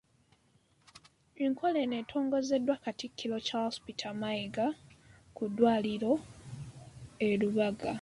Enkola eno entogozeddwa Katikkiro Charles Peter Mayiga ku ddwaliro e Lubaga.